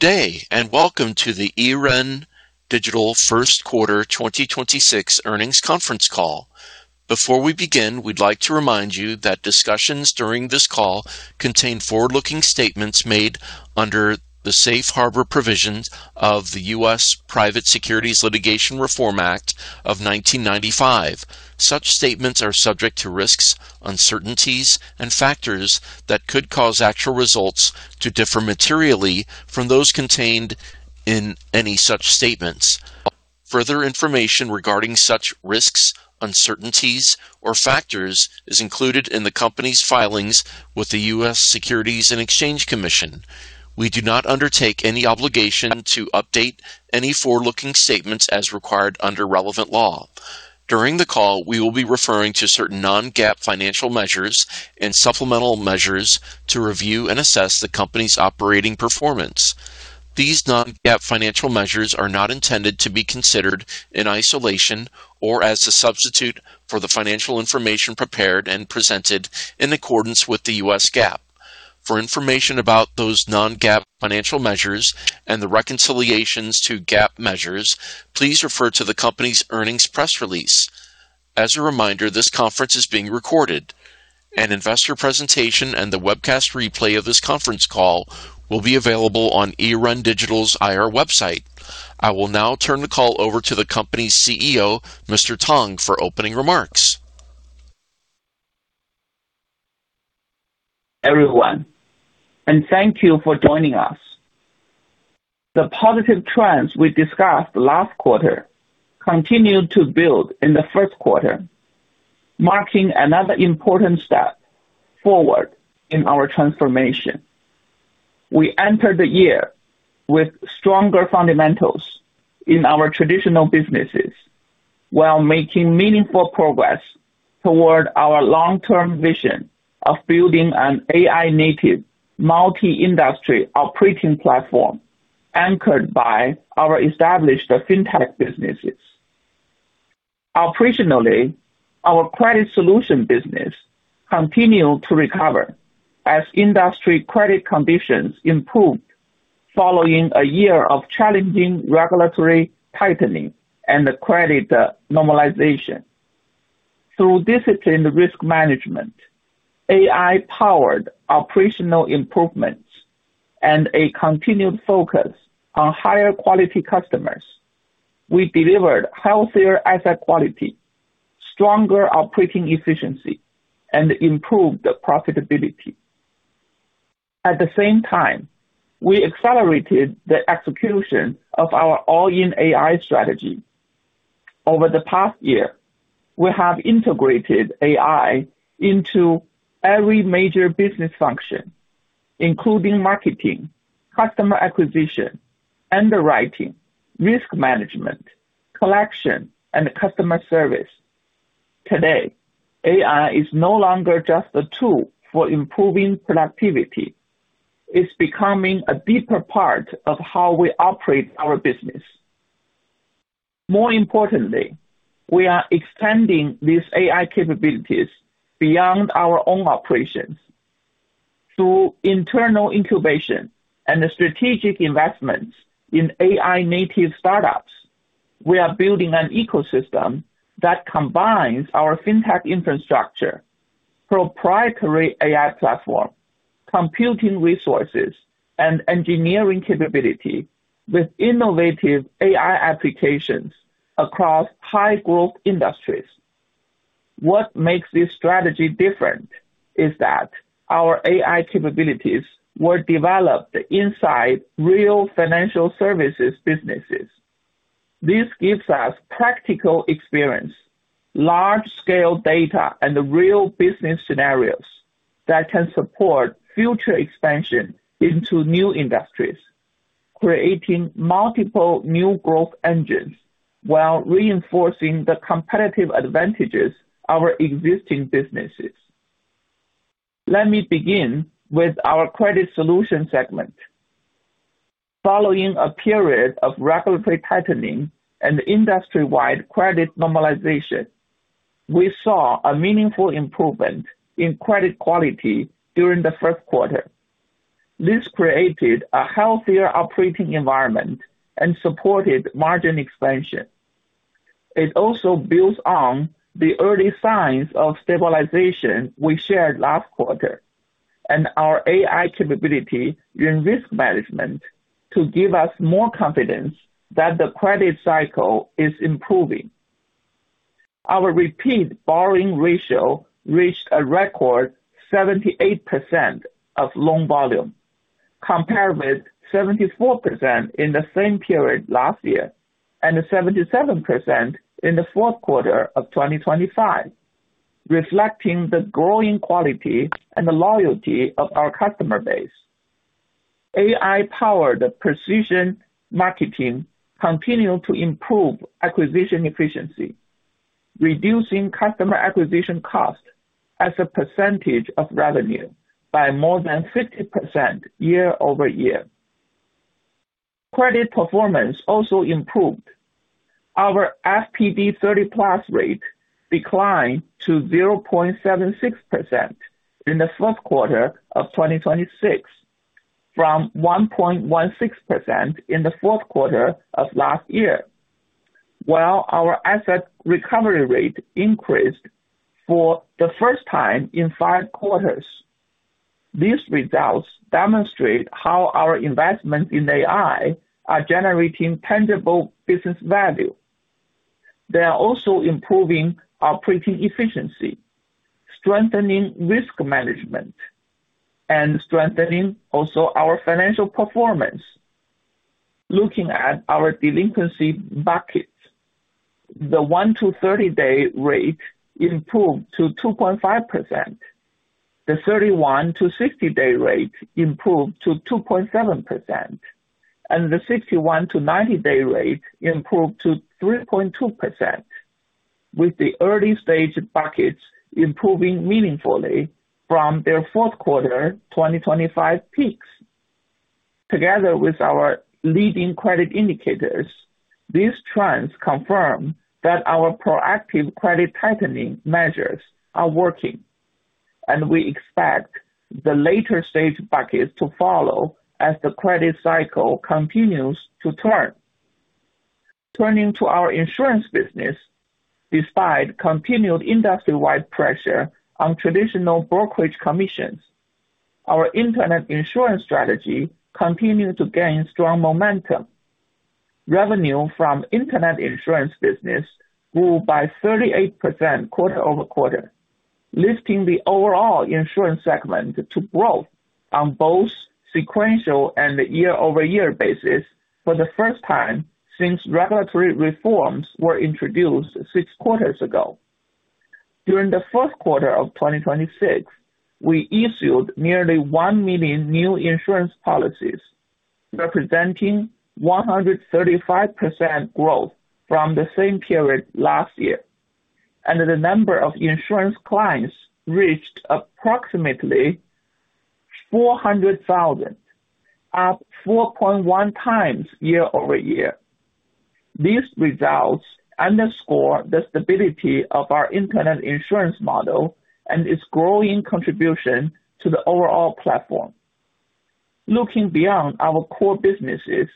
Good day, and welcome to the Yiren Digital first quarter 2026 earnings conference call. Before we begin, we'd like to remind you that discussions during this call contain forward-looking statements made under the Safe Harbor provisions of the U.S. Private Securities Litigation Reform Act of 1995. Such statements are subject to risks, uncertainties, and factors that could cause actual results to differ materially from those contained in any such statements. Further information regarding such risks, uncertainties, or factors is included in the company's filings with the U.S. Securities and Exchange Commission. We do not undertake any obligation to update any forward-looking statements as required under relevant law. During the call, we will be referring to certain non-GAAP financial measures and supplemental measures to review and assess the company's operating performance. These non-GAAP financial measures are not intended to be considered in isolation or as a substitute for the financial information prepared and presented in accordance with the U.S. GAAP. For information about those non-GAAP financial measures and the reconciliations to GAAP measures, please refer to the company's earnings press release. As a reminder, this conference is being recorded. An investor presentation and the webcast replay of this conference call will be available on Yiren Digital's IR website. I will now turn the call over to the company's CEO, Mr. Tang, for opening remarks. Everyone, thank you for joining us. The positive trends we discussed last quarter continued to build in the first quarter, marking another important step forward in our transformation. We entered the year with stronger fundamentals in our traditional businesses while making meaningful progress toward our long-term vision of building an AI-native multi-industry operating platform anchored by our established fintech businesses. Operationally, our credit solution business continued to recover as industry credit conditions improved following a year of challenging regulatory tightening and credit normalization. Through disciplined risk management, AI-powered operational improvements, and a continued focus on higher quality customers, we delivered healthier asset quality, stronger operating efficiency, and improved profitability. At the same time, we accelerated the execution of our all-in-AI strategy. Over the past year, we have integrated AI into every major business function, including marketing, customer acquisition, underwriting, risk management, collection, and customer service. Today, AI is no longer just a tool for improving productivity. It's becoming a deeper part of how we operate our business. More importantly, we are extending these AI capabilities beyond our own operations. Through internal incubation and strategic investments in AI-native startups, we are building an ecosystem that combines our fintech infrastructure, proprietary AI platform, computing resources, and engineering capability with innovative AI applications across high-growth industries. What makes this strategy different is that our AI capabilities were developed inside real financial services businesses. This gives us practical experience, large-scale data, and real business scenarios that can support future expansion into new industries, creating multiple new growth engines while reinforcing the competitive advantages our existing businesses. Let me begin with our credit solution segment. Following a period of regulatory tightening and industry-wide credit normalization, we saw a meaningful improvement in credit quality during the first quarter. This created a healthier operating environment and supported margin expansion. It also builds on the early signs of stabilization we shared last quarter and our AI capability in risk management to give us more confidence that the credit cycle is improving. Our repeat borrowing ratio reached a record 78% of loan volume, compared with 74% in the same period last year and 77% in the fourth quarter of 2025, reflecting the growing quality and the loyalty of our customer base. AI-powered precision marketing continued to improve acquisition efficiency, reducing customer acquisition cost as a percentage of revenue by more than 50% year-over-year. Credit performance also improved. Our FPD30+ rate declined to 0.76% in the first quarter of 2026, from 1.16% in the fourth quarter of last year. While our asset recovery rate increased for the first time in five quarters. These results demonstrate how our investments in AI are generating tangible business value. They are also improving operating efficiency, strengthening risk management, and strengthening also our financial performance. Looking at our delinquency buckets, the 1-to 30-day rate improved to 2.5%. The 31-to 60-day rate improved to 2.7%, and the 61-to 90-day rate improved to 3.2%, with the early-stage buckets improving meaningfully from their fourth quarter 2025 peaks. Together with our leading credit indicators, these trends confirm that our proactive credit tightening measures are working, and we expect the later stage buckets to follow as the credit cycle continues to turn. Turning to our insurance business, despite continued industry-wide pressure on traditional brokerage commissions, our internet insurance strategy continued to gain strong momentum. Revenue from internet insurance business grew by 38% quarter-over-quarter, lifting the overall insurance segment to growth on both sequential and year-over-year basis for the first time since regulatory reforms were introduced six quarters ago. During the fourth quarter of 2026, we issued nearly 1 million new insurance policies, representing 135% growth from the same period last year, and the number of insurance clients reached approximately 400,000, up 4.1x year-over-year. These results underscore the stability of our internet insurance model and its growing contribution to the overall platform. Looking beyond our core businesses,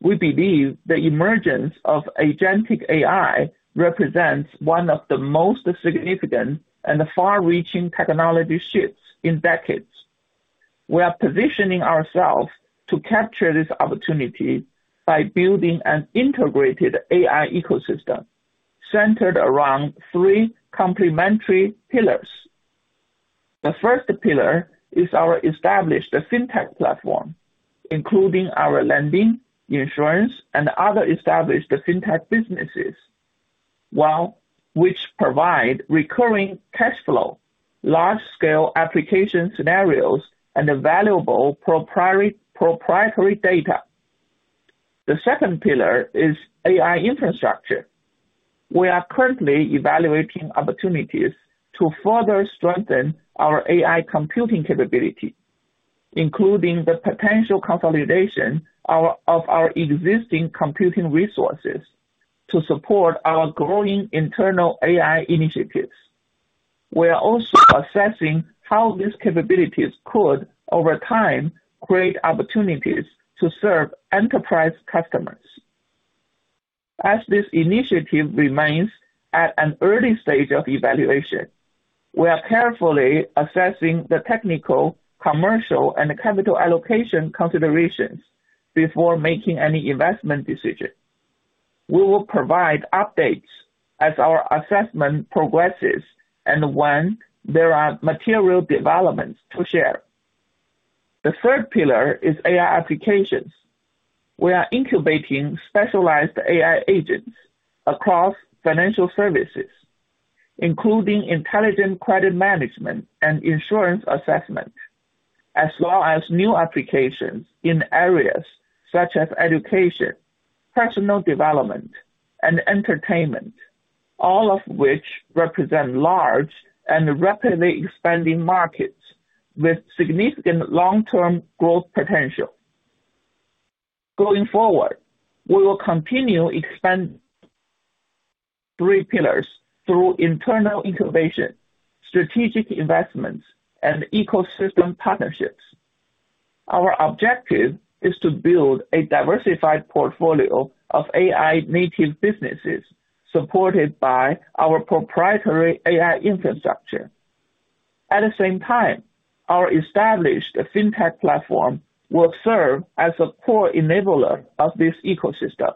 we believe the emergence of agentic AI represents one of the most significant and far-reaching technology shifts in decades. We are positioning ourselves to capture this opportunity by building an integrated AI ecosystem centered around three complementary pillars. The first pillar is our established fintech platform, including our lending, insurance, and other established fintech businesses, which provide recurring cash flow, large-scale application scenarios, and valuable proprietary data. The second pillar is AI infrastructure. We are currently evaluating opportunities to further strengthen our AI computing capability, including the potential consolidation of our existing computing resources to support our growing internal AI initiatives. We are also assessing how these capabilities could, over time, create opportunities to serve enterprise customers. As this initiative remains at an early stage of evaluation, we are carefully assessing the technical, commercial, and capital allocation considerations before making any investment decision. We will provide updates as our assessment progresses and when there are material developments to share. The third pillar is AI applications. We are incubating specialized AI agents across financial services, including intelligent credit management and insurance assessment, as well as new applications in areas such as education, personal development, and entertainment, all of which represent large and rapidly expanding markets with significant long-term growth potential. Going forward, we will continue expanding three pillars through internal innovation, strategic investments, and ecosystem partnerships. Our objective is to build a diversified portfolio of AI-native businesses supported by our proprietary AI infrastructure. At the same time, our established Fintech platform will serve as a core enabler of this ecosystem,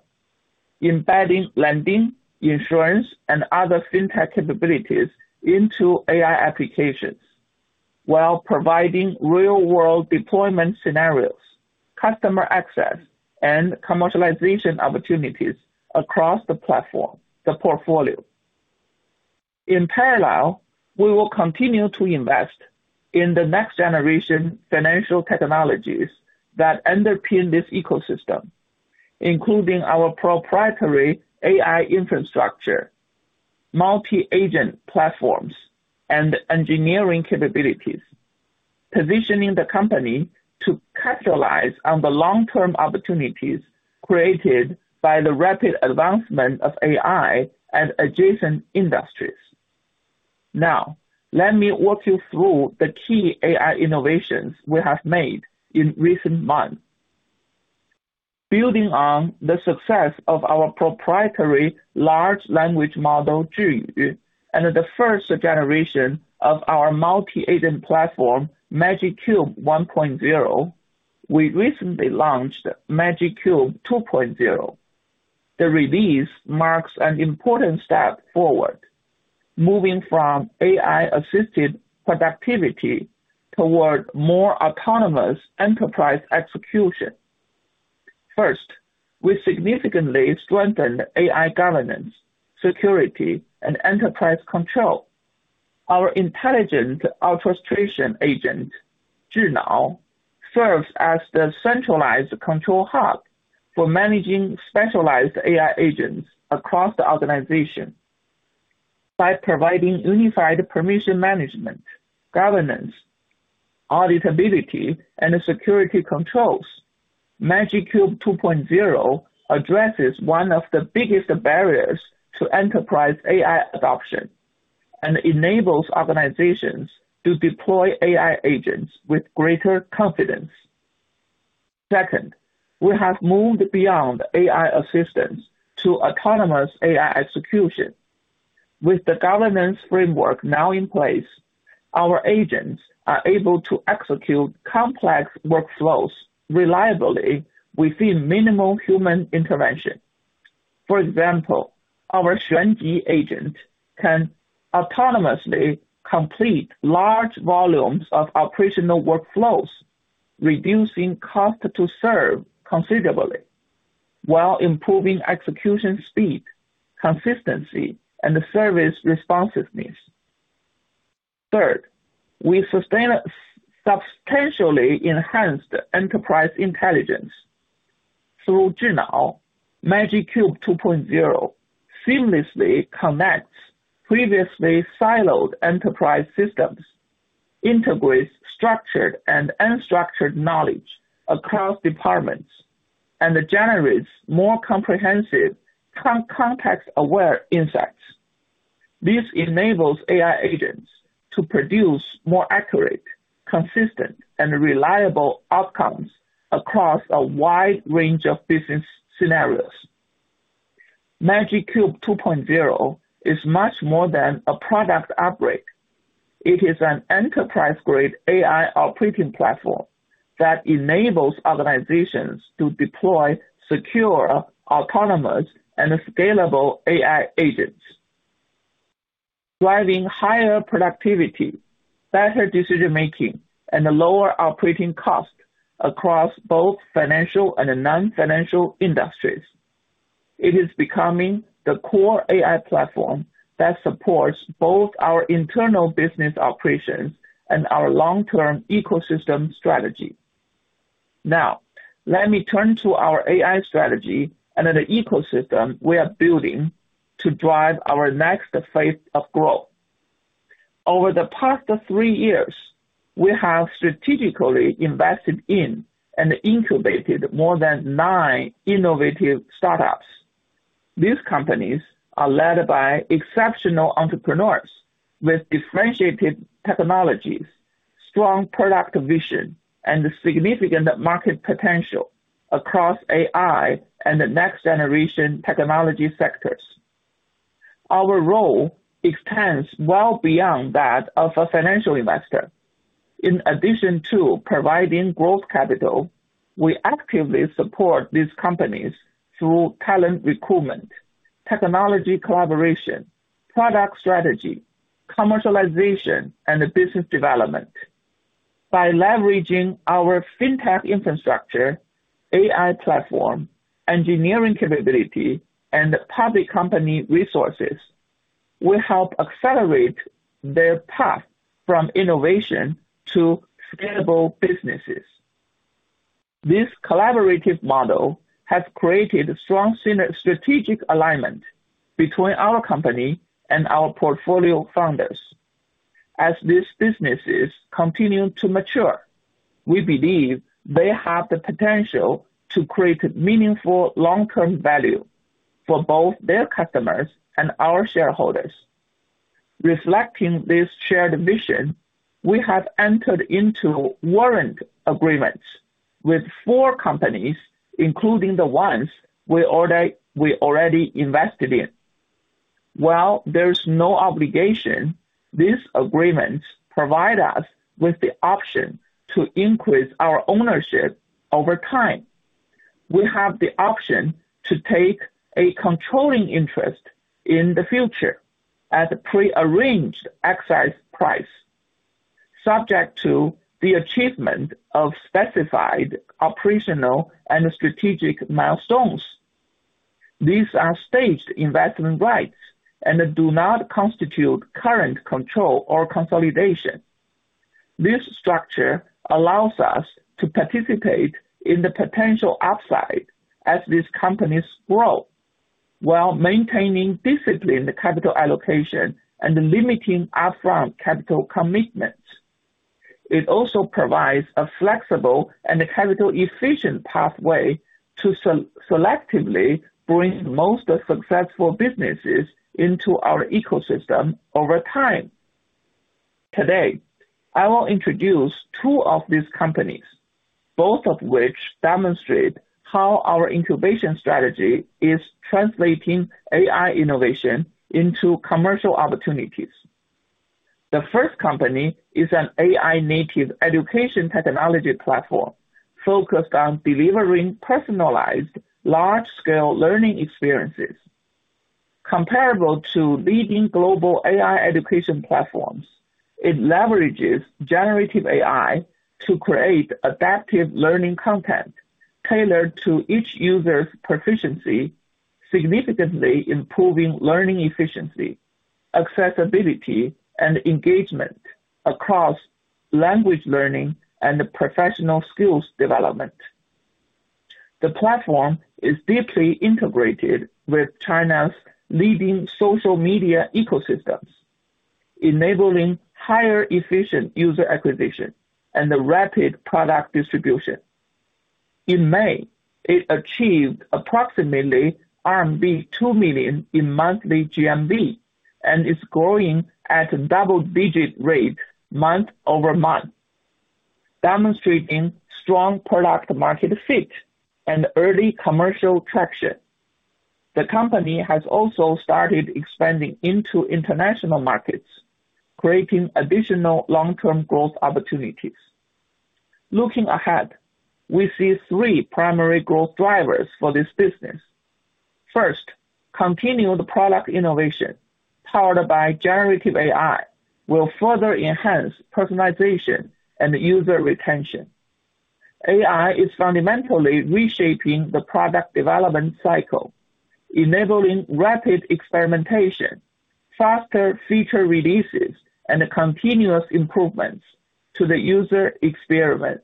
embedding lending, insurance, and other Fintech capabilities into AI applications while providing real-world deployment scenarios, customer access, and commercialization opportunities across the platform, the portfolio. In parallel, we will continue to invest in the next-generation financial technologies that underpin this ecosystem, including our proprietary AI infrastructure, multi-agent platforms, and engineering capabilities. Positioning the company to capitalize on the long-term opportunities created by the rapid advancement of AI and adjacent industries. Now, let me walk you through the key AI innovations we have made in recent months. Building on the success of our proprietary Large Language Model, Zhiyu, and the first-generation of our multi-agent platform, MagiCube 1.0, we recently launched MagiCube 2.0. The release marks an important step forward, moving from AI-assisted productivity toward more autonomous enterprise execution. First, we significantly strengthened AI governance, security, and enterprise control. Our intelligent orchestration agent, ZhiNao, serves as the centralized control hub for managing specialized AI agents across the organization. By providing unified permission management, governance, auditability, and security controls, MagiCube 2.0 addresses one of the biggest barriers to enterprise AI adoption, and enables organizations to deploy AI agents with greater confidence. Second, we have moved beyond AI assistance to autonomous AI execution. With the governance framework now in place, our agents are able to execute complex workflows reliably within minimal human intervention. For example, our XuanJi agent can autonomously complete large volumes of operational workflows, reducing cost-to-serve considerably while improving execution speed, consistency, and service responsiveness. Third, we substantially enhanced enterprise intelligence. Through ZhiNao, MagiCube 2.0 seamlessly connects previously siloed enterprise systems, integrates structured and unstructured knowledge across departments, and generates more comprehensive context-aware insights. This enables AI agents to produce more accurate, consistent, and reliable outcomes across a wide range of business scenarios. MagiCube 2.0 is much more than a product upgrade. It is an enterprise-grade AI operating platform that enables organizations to deploy secure, autonomous, and scalable AI agents, driving higher productivity, better decision-making, and lower operating costs across both financial and non-financial industries. It is becoming the core AI platform that supports both our internal business operations and our long-term ecosystem strategy. Now, let me turn to our AI strategy and the ecosystem we are building to drive our next phase of growth. Over the past three years, we have strategically invested in and incubated more than nine innovative startups. These companies are led by exceptional entrepreneurs with differentiated technologies, strong product vision, and significant market potential across AI and the next-generation technology sectors. Our role extends well beyond that of a financial investor. In addition to providing growth capital, we actively support these companies through talent recruitment, technology collaboration, product strategy, commercialization, and business development. By leveraging our Fintech infrastructure, AI platform, engineering capability, and public company resources, we help accelerate their path from innovation to scalable businesses. This collaborative model has created strong strategic alignment between our company and our portfolio founders. As these businesses continue to mature, we believe they have the potential to create meaningful long-term value for both their customers and our shareholders. Reflecting this shared vision, we have entered into warrant agreements with four companies, including the ones we already invested in. While there's no obligation, these agreements provide us with the option to increase our ownership over time. We have the option to take a controlling interest in the future at a prearranged exercise price, subject to the achievement of specified operational and strategic milestones. These are staged investment rights and do not constitute current control or consolidation. This structure allows us to participate in the potential upside as these companies grow while maintaining discipline in the capital allocation and limiting upfront capital commitments. It also provides a flexible and a capital-efficient pathway to selectively bring most successful businesses into our ecosystem over time. Today, I will introduce two of these companies, both of which demonstrate how our incubation strategy is translating AI innovation into commercial opportunities. The first company is an AI-native education technology platform focused on delivering personalized, large-scale learning experiences. Comparable to leading global AI education platforms, it leverages generative AI to create adaptive learning content tailored to each user's proficiency, significantly improving learning efficiency, accessibility, and engagement across language learning and professional skills development. The platform is deeply integrated with China's leading social media ecosystems, enabling higher efficient user acquisition and the rapid product distribution. In May, it achieved approximately RMB 2 million in monthly GMV and is growing at a double-digit rate month-over-month, demonstrating strong product-market fit and early commercial traction. The company has also started expanding into international markets, creating additional long-term growth opportunities. Looking ahead, we see three primary growth drivers for this business. First, continued product innovation powered by generative AI will further enhance personalization and user retention. AI is fundamentally reshaping the product development cycle, enabling rapid experimentation, faster feature releases, and continuous improvements to the user experience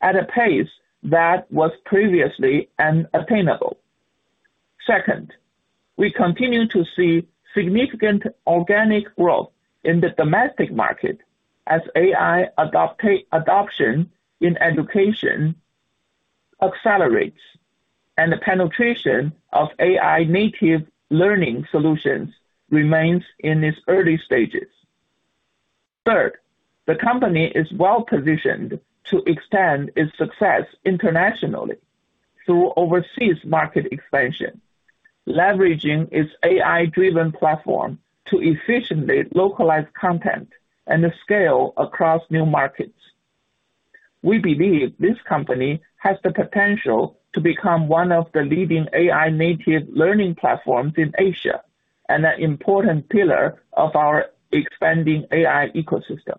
at a pace that was previously unattainable. Second, we continue to see significant organic growth in the domestic market as AI adoption in education accelerates, and the penetration of AI-native learning solutions remains in its early stages. Third, the company is well-positioned to extend its success internationally through overseas market expansion, leveraging its AI-driven platform to efficiently localize content and scale across new markets. We believe this company has the potential to become one of the leading AI-native learning platforms in Asia and an important pillar of our expanding AI ecosystem.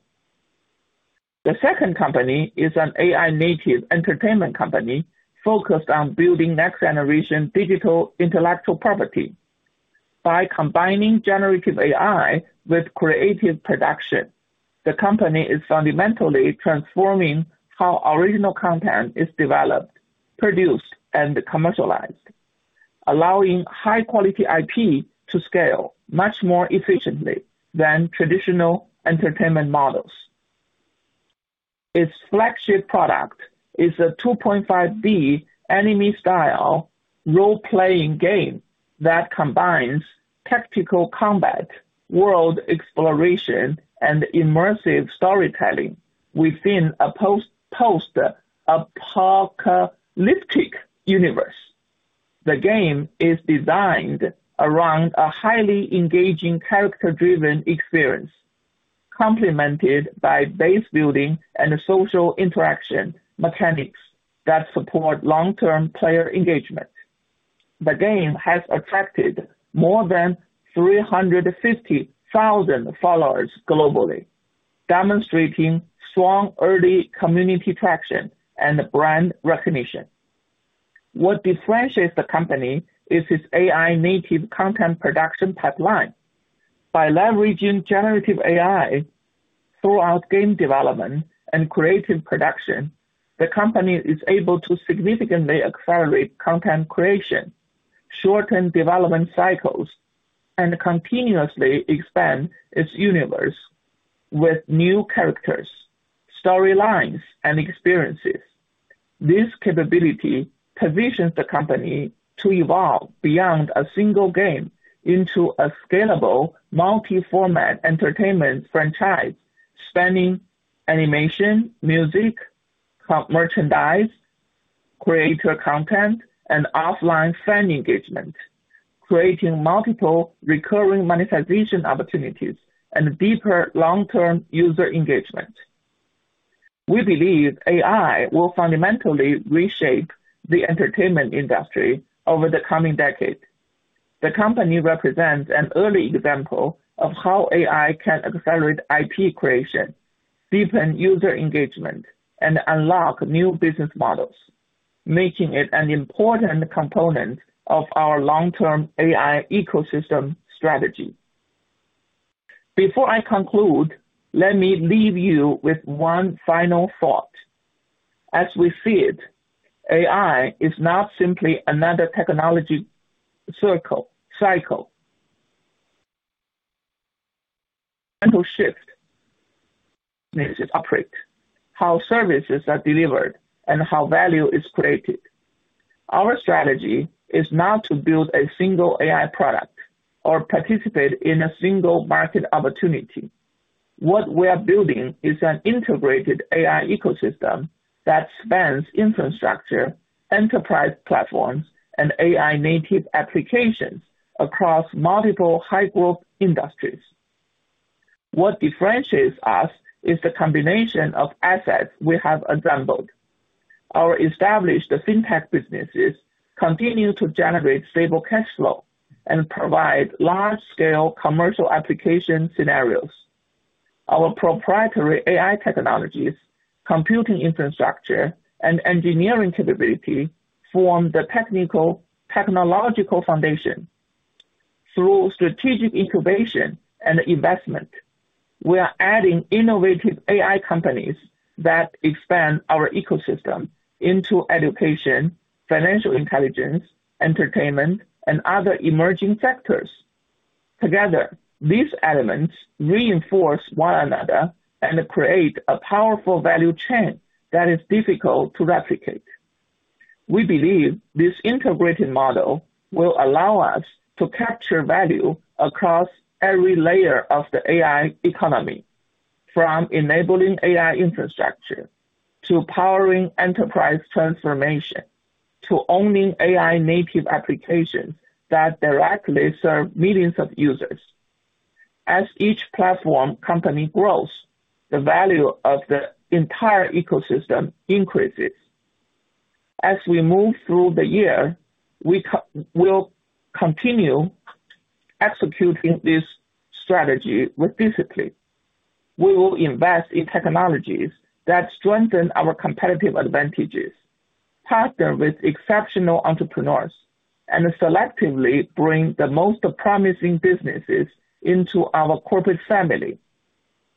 The second company is an AI-native entertainment company focused on building next-generation digital intellectual property. By combining generative AI with creative production, the company is fundamentally transforming how original content is developed, produced, and commercialized, allowing high-quality IP to scale much more efficiently than traditional entertainment models. Its flagship product is a 2.5D anime-style role-playing game that combines tactical combat, world exploration, and immersive storytelling within a post-apocalyptic universe. The game is designed around a highly engaging character-driven experience, complemented by base-building and social interaction mechanics that support long-term player engagement. The game has attracted more than 350,000 followers globally, demonstrating strong early community traction and brand recognition. What differentiates the company is its AI-native content production pipeline. By leveraging generative AI throughout game development and creative production, the company is able to significantly accelerate content creation, shorten development cycles, and continuously expand its universe with new characters, storylines, and experiences. This capability positions the company to evolve beyond a single game into a scalable multi-format entertainment franchise spanning animation, music, merchandise, creator content, and offline fan engagement, creating multiple recurring monetization opportunities and deeper long-term user engagement. We believe AI will fundamentally reshape the entertainment industry over the coming decade. The company represents an early example of how AI can accelerate IP creation, deepen user engagement, and unlock new business models, making it an important component of our long-term AI ecosystem strategy. Before I conclude, let me leave you with one final thought. As we see it, AI is not simply another technology cycle. Mental shift needs to operate, how services are delivered, and how value is created. Our strategy is not to build a single AI product or participate in a single market opportunity. What we are building is an integrated AI ecosystem that spans infrastructure, enterprise platforms, and AI native applications across multiple high-growth industries. What differentiates us is the combination of assets we have assembled. Our established fintech businesses continue to generate stable cash flow and provide large-scale commercial application scenarios. Our proprietary AI technologies, computing infrastructure, and engineering capability form the technological foundation. Through strategic incubation and investment, we are adding innovative AI companies that expand our ecosystem into education, financial intelligence, entertainment, and other emerging sectors. Together, these elements reinforce one another and create a powerful value chain that is difficult to replicate. We believe this integrated model will allow us to capture value across every layer of the AI economy, from enabling AI infrastructure to powering enterprise transformation, to owning AI native applications that directly serve millions of users. As each platform company grows, the value of the entire ecosystem increases. As we move through the year, we will continue executing this strategy with discipline. We will invest in technologies that strengthen our competitive advantages, partner with exceptional entrepreneurs, and selectively bring the most promising businesses into our corporate family.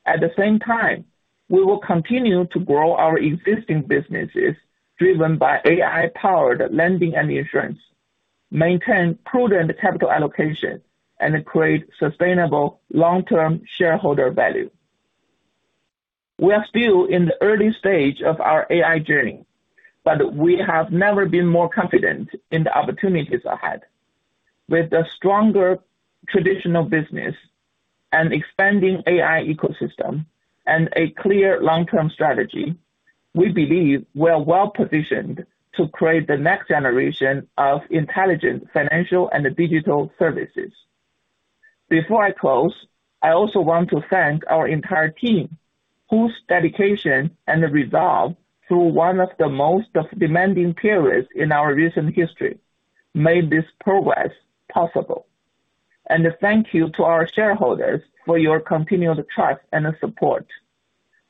At the same time, we will continue to grow our existing businesses driven by AI-powered lending and insurance, maintain prudent capital allocation, and create sustainable long-term shareholder value. We are still in the early stage of our AI journey, but we have never been more confident in the opportunities ahead. With a stronger traditional business and expanding AI ecosystem, and a clear long-term strategy, we believe we are well-positioned to create the next-generation of intelligent financial and digital services. Before I close, I also want to thank our entire team, whose dedication and resolve through one of the most demanding periods in our recent history made this progress possible. And thank you to our shareholders for your continued trust and support.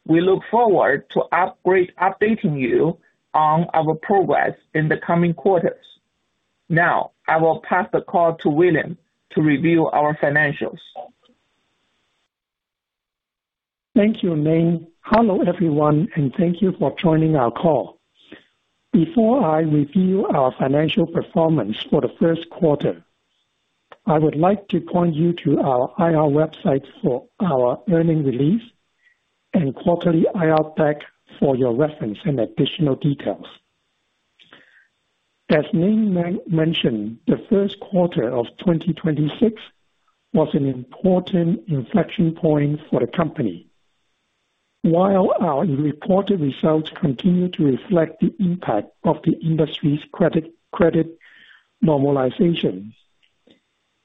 We look forward to updating you on our progress in the coming quarters. Now, I will pass the call to William to review our financials. Thank you, Ning. Hello, everyone. Thank you for joining our call. Before I review our financial performance for the first quarter, I would like to point you to our IR website for our earnings release and quarterly IR pack for your reference and additional details. As Ning mentioned, the first quarter of 2026 was an important inflection point for the company. While our reported results continue to reflect the impact of the industry's credit normalization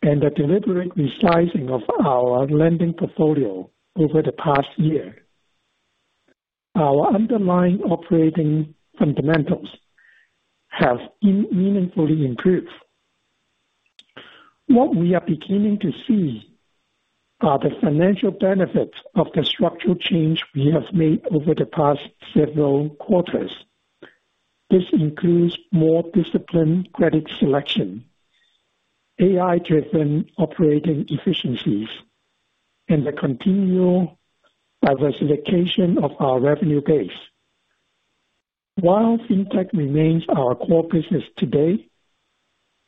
and the deliberate resizing of our lending portfolio over the past year, our underlying operating fundamentals have meaningfully improved. What we are beginning to see are the financial benefits of the structural change we have made over the past several quarters. This includes more disciplined credit selection, AI-driven operating efficiencies, and the continual diversification of our revenue base. While fintech remains our core business today,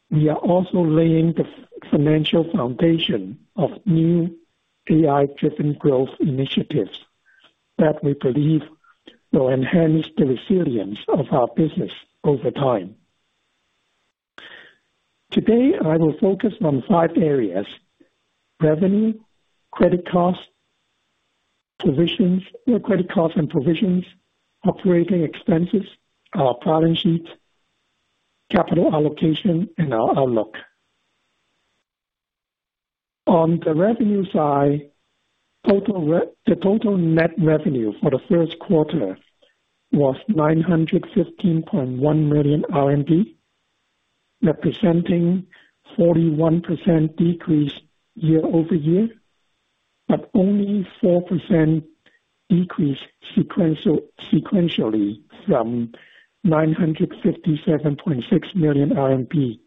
we are also laying the financial foundation of new AI-driven growth initiatives that we believe will enhance the resilience of our business over time. Today, I will focus on five areas: revenue, credit costs and provisions, operating expenses, our balance sheet, capital allocation, and our outlook. On the revenue side, the total net revenue for the first quarter was 915.1 million RMB, representing 41% decrease year-over-year, only 4% decreased sequentially from 957.6 million RMB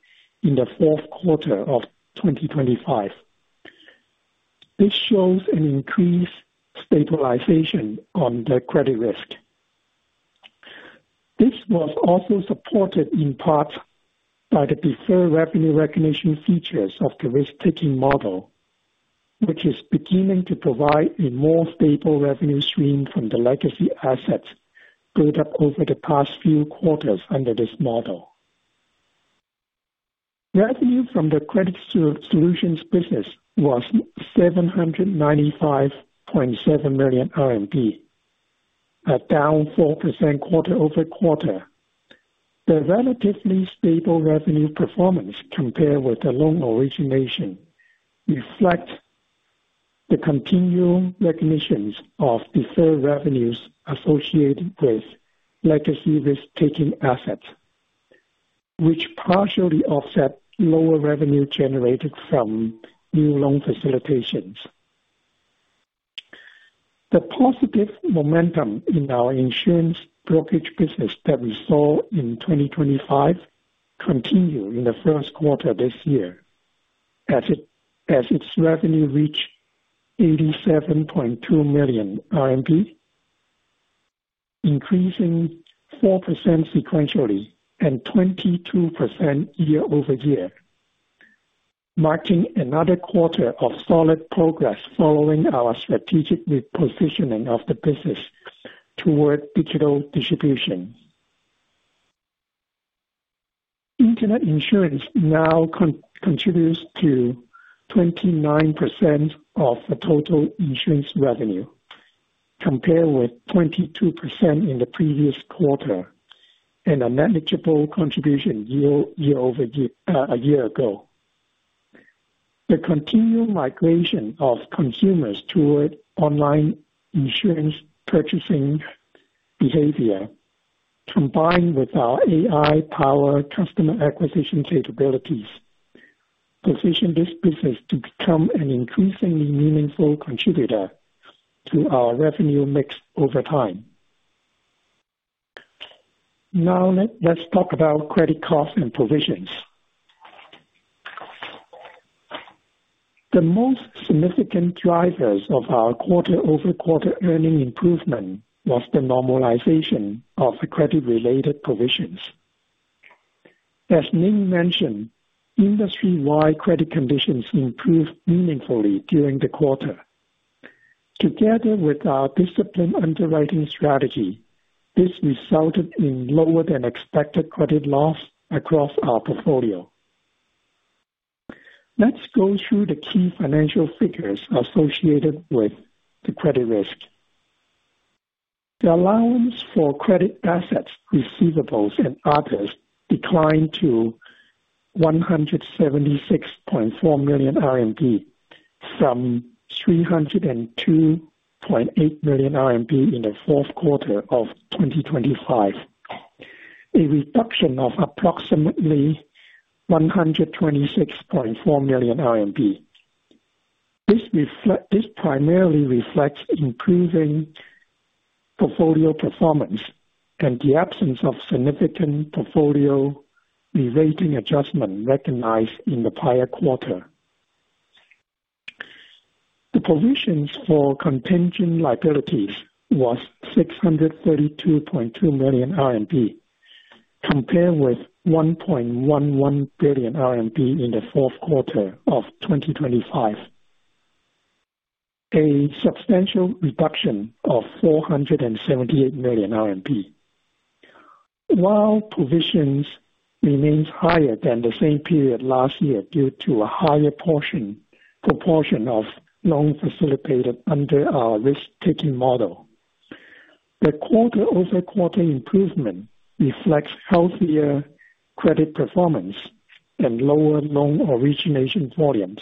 in the fourth quarter of 2025. This shows an increased stabilization on the credit risk. This was also supported in part by the deferred revenue recognition features of the risk-taking model, which is beginning to provide a more stable revenue stream from the legacy assets built up over the past few quarters under this model. Revenue from the credit solutions business was 795.7 million RMB, down 4% quarter-over-quarter. The relatively stable revenue performance compared with the loan origination reflects the continuing recognition of deferred revenues associated with legacy risk-taking assets, which partially offset lower revenue generated from new loan facilitations. The positive momentum in our insurance brokerage business that we saw in 2025 continued in the first quarter this year, as its revenue reached 87.2 million RMB, increasing 4% sequentially and 22% year-over-year, marking another quarter of solid progress following our strategic repositioning of the business toward digital distribution. Internet insurance now contributes to 29% of the total insurance revenue, compared with 22% in the previous quarter and a negligible contribution a year ago. The continuing migration of consumers toward online insurance purchasing behavior, combined with our AI-powered customer acquisition capabilities, position this business to become an increasingly meaningful contributor to our revenue mix over time. Let's talk about credit cost and provisions. The most significant drivers of our quarter-over-quarter earnings improvement was the normalization of the credit-related provisions. As Ning mentioned, industry-wide credit conditions improved meaningfully during the quarter. Together with our disciplined underwriting strategy, this resulted in lower than expected credit losses across our portfolio. Let's go through the key financial figures associated with the credit risk. The allowance for credit assets, receivables, and others declined to 176.4 million RMB from 302.8 million RMB in the fourth quarter of 2025, a reduction of approximately 126.4 million RMB. This primarily reflects improving portfolio performance and the absence of significant portfolio re-rating adjustment recognized in the prior quarter. The provisions for contingent liabilities was 632.2 million RMB, compared with 1.11 billion RMB in the fourth quarter of 2025, a substantial reduction of 478 million RMB. While provisions remains higher than the same period last year due to a higher proportion of loans facilitated under our risk-taking model, the quarter-over-quarter improvement reflects healthier credit performance and lower loan origination volumes.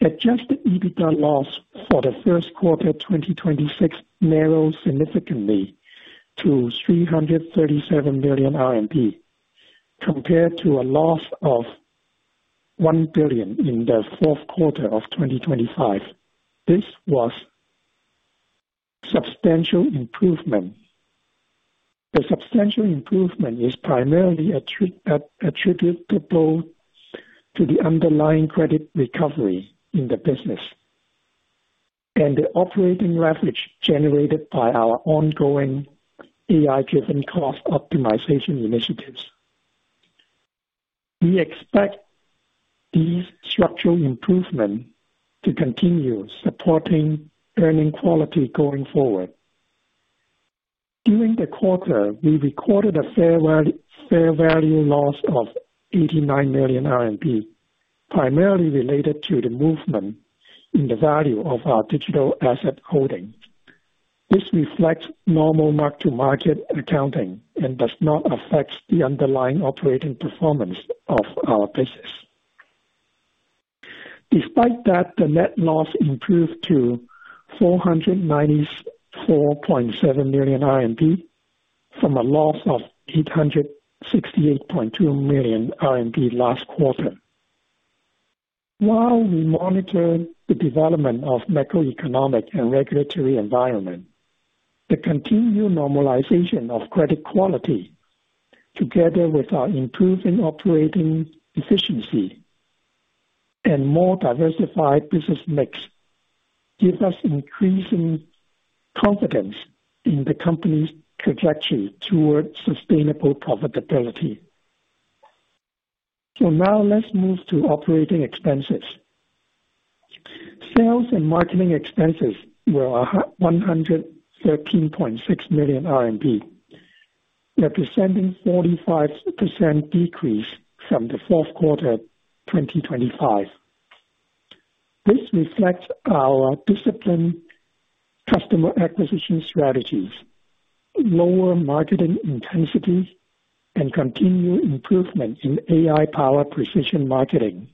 Adjusted EBITDA loss for the first quarter 2026 narrowed significantly to 337 million RMB, compared to a loss of 1 billion in the fourth quarter of 2025. This was substantial improvement. The substantial improvement is primarily attributable to the underlying credit recovery in the business and the operating leverage generated by our ongoing AI-driven cost optimization initiatives. We expect these structural improvements to continue supporting earning quality going forward. During the quarter, we recorded a fair value loss of 89 million RMB, primarily related to the movement in the value of our digital asset holdings. This reflects normal mark-to-market accounting and does not affect the underlying operating performance of our business. Despite that, the net loss improved to 494.7 million RMB from a loss of 868.2 million RMB last quarter. While we monitor the development of macroeconomic and regulatory environment, the continued normalization of credit quality, together with our improving operating efficiency and more diversified business mix, give us increasing confidence in the company's trajectory towards sustainable profitability. Now let's move to operating expenses. Sales and marketing expenses were 113.6 million RMB, representing 45% decrease from the fourth quarter 2025. This reflects our disciplined customer acquisition strategies, lower marketing intensity, and continued improvement in AI-powered precision marketing.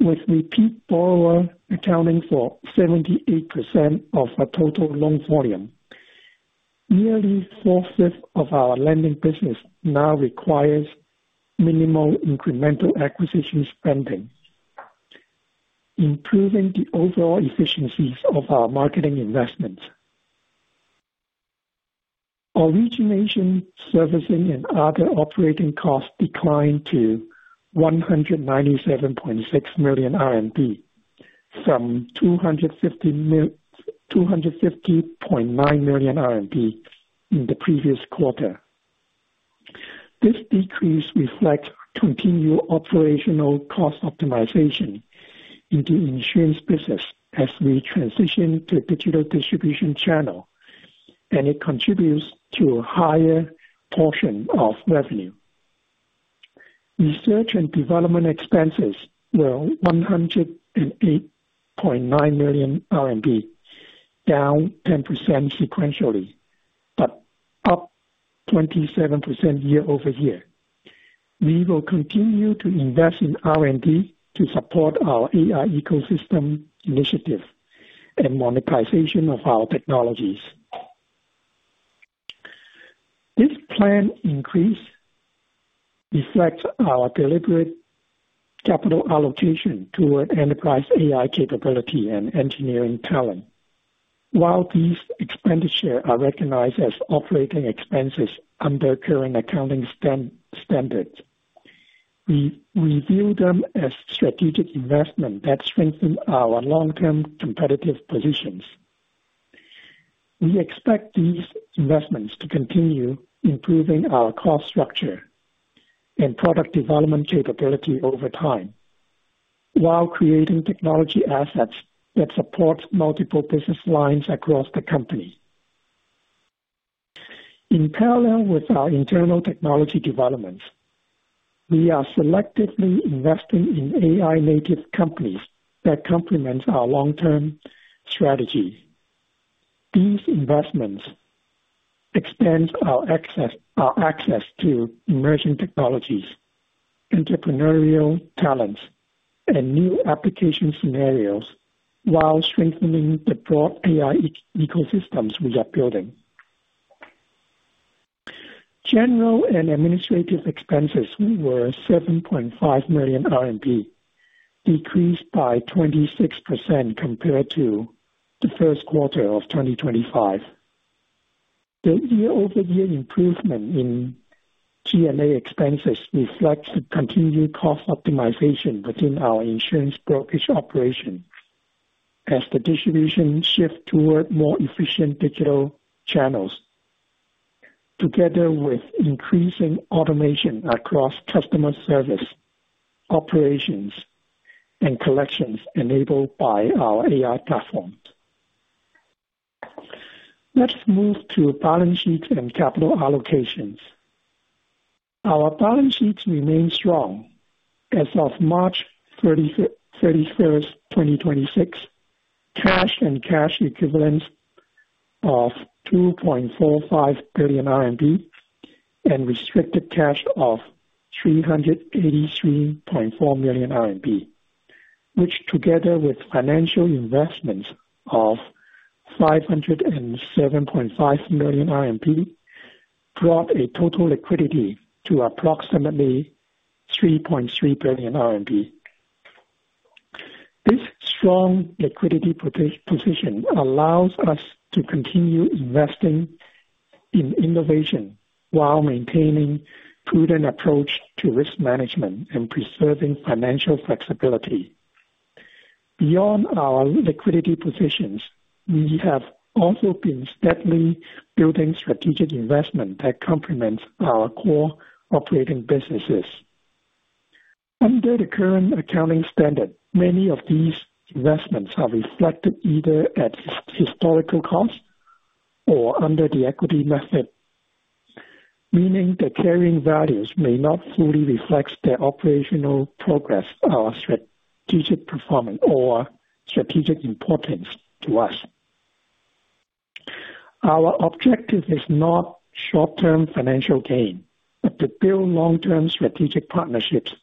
With repeat borrower accounting for 78% of our total loan volume, nearly four-fifths of our lending business now requires minimal incremental acquisition spending, improving the overall efficiencies of our marketing investments. Origination, servicing, and other operating costs declined to 197.6 million RMB from 250.9 million RMB in the previous quarter. This decrease reflects continued operational cost optimization in the insurance business as we transition to digital distribution channel, and it contributes to a higher portion of revenue. Research and development expenses were 108.9 million RMB, down 10% sequentially, but up 27% year-over-year. We will continue to invest in R&D to support our AI ecosystem initiative and monetization of our technologies. This planned increase reflects our deliberate capital allocation toward enterprise AI capability and engineering talent. While these expenditure are recognized as operating expenses under current accounting standards, we view them as strategic investment that strengthen our long-term competitive positions. We expect these investments to continue improving our cost structure and product development capability over time while creating technology assets that support multiple business lines across the company. In parallel with our internal technology developments, we are selectively investing in AI-native companies that complements our long-term strategy. These investments expand our access to emerging technologies, entrepreneurial talents, and new application scenarios while strengthening the broad AI ecosystems we are building. General and administrative expenses were 7.5 million RMB, decreased by 26% compared to the first quarter of 2025. The year-over-year improvement in G&A expenses reflects the continued cost optimization within our insurance brokerage operation as the distribution shift toward more efficient digital channels, together with increasing automation across customer service, operations, and collections enabled by our AI platforms. Let's move to balance sheet and capital allocations. Our balance sheets remain strong. As of March 31st, 2026, cash and cash equivalents of 2.45 billion RMB and restricted cash of 383.4 million RMB, which together with financial investments of 507.5 million RMB, brought a total liquidity to approximately 3.3 billion RMB. This strong liquidity position allows us to continue investing in innovation while maintaining prudent approach to risk management and preserving financial flexibility. Beyond our liquidity positions, we have also been steadily building strategic investment that complements our core operating businesses. Under the current accounting standard, many of these investments are reflected either at historical cost or under the equity method, meaning the carrying values may not fully reflect their operational progress or strategic performance or strategic importance to us. Our objective is not short-term financial gain, but to build long-term strategic partnerships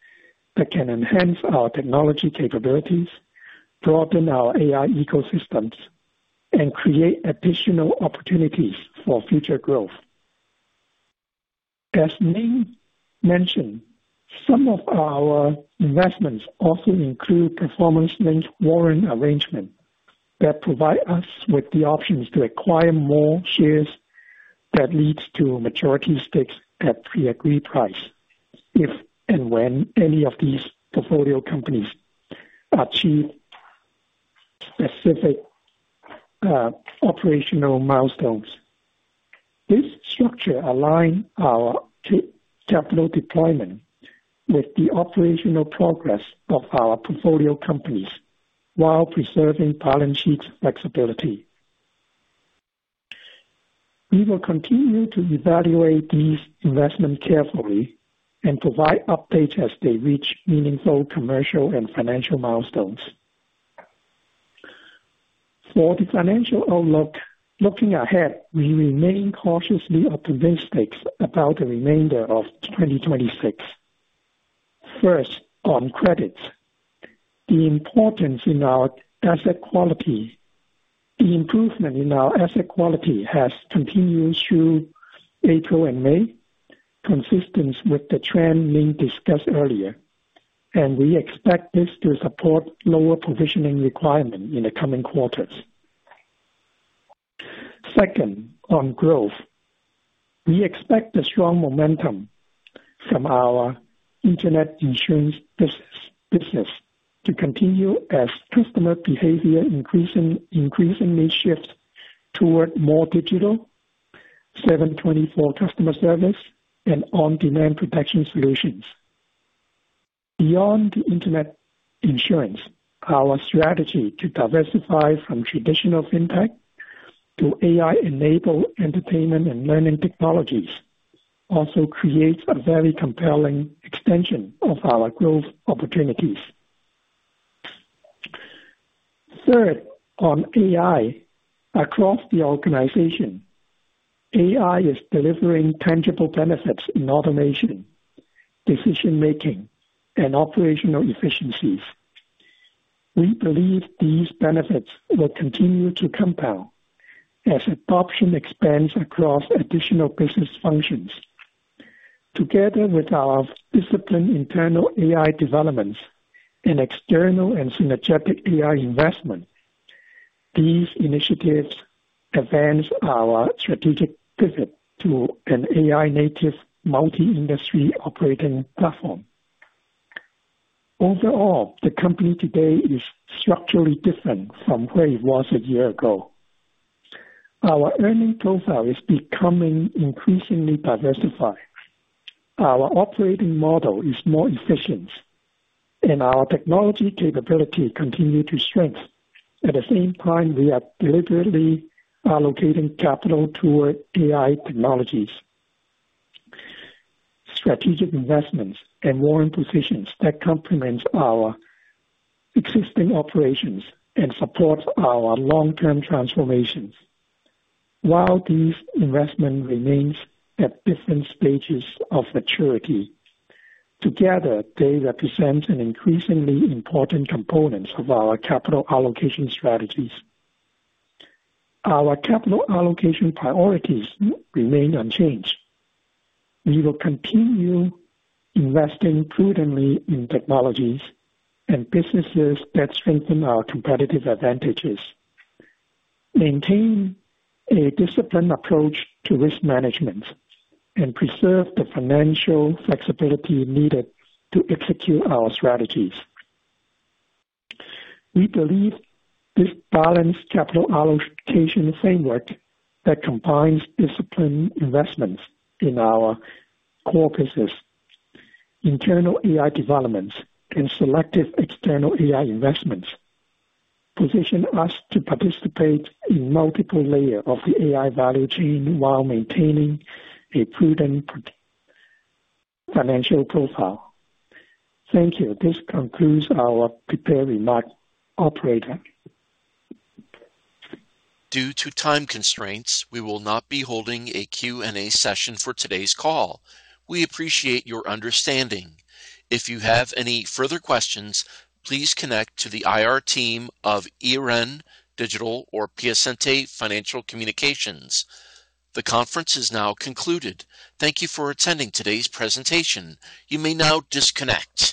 that can enhance our technology capabilities, broaden our AI ecosystems, and create additional opportunities for future growth. As Ning mentioned, some of our investments also include performance-linked warrant arrangement that provide us with the options to acquire more shares that leads to majority stakes at pre-agreed price if and when any of these portfolio companies achieve specific operational milestones. This structure aligns our capital deployment with the operational progress of our portfolio companies while preserving balance sheet flexibility. We will continue to evaluate these investments carefully and provide updates as they reach meaningful commercial and financial milestones. For the financial outlook, looking ahead, we remain cautiously optimistic about the remainder of 2026. First, on credits. The improvement in our asset quality has continued through April and May, consistent with the trend Ning discussed earlier, and we expect this to support lower provisioning requirement in the coming quarters. Second, on growth. We expect the strong momentum from our internet insurance business to continue as customer behavior increasingly shifts toward more digital 24/7 customer service and on-demand protection solutions. Beyond the internet insurance, our strategy to diversify from traditional fintech to AI-enabled entertainment and learning technologies also creates a very compelling extension of our growth opportunities. Third, on AI. Across the organization, AI is delivering tangible benefits in automation, decision-making, and operational efficiencies. We believe these benefits will continue to compound as adoption expands across additional business functions. Together with our disciplined internal AI developments and external and synergistic AI investment, these initiatives advance our strategic pivot to an AI-native multi-industry operating platform. Overall, the company today is structurally different from where it was a year ago. Our earnings profile is becoming increasingly diversified. Our operating model is more efficient, and our technology capabilities continue to strengthen. At the same time, we are deliberately allocating capital toward AI technologies, strategic investments, and warrant positions that complement our existing operations and supports our long-term transformations. While these investments remain at different stages of maturity, together, they represent an increasingly important component of our capital allocation strategies. Our capital allocation priorities remain unchanged. We will continue investing prudently in technologies and businesses that strengthen our competitive advantages, maintain a disciplined approach to risk management, and preserve the financial flexibility needed to execute our strategies. We believe this balanced capital allocation framework that combines disciplined investments in our core business, internal AI developments, and selective external AI investments position us to participate in multiple layers of the AI value chain while maintaining a prudent financial profile. Thank you. This concludes our prepared remarks. Operator. Due to time constraints, we will not be holding a Q&A session for today's call. We appreciate your understanding. If you have any further questions, please connect to the IR team of Yiren Digital or Piacente Financial Communications. The conference is now concluded. Thank you for attending today's presentation. You may now disconnect